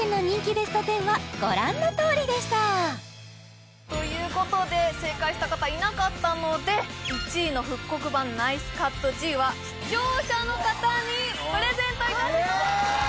ベスト１０はご覧のとおりでしたということで正解した方いなかったので１位の復刻版ナイスカットＧは視聴者の方にプレゼントいたします